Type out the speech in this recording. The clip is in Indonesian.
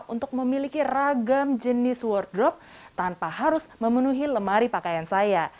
untuk memiliki ragam jenis world drop tanpa harus memenuhi lemari pakaian saya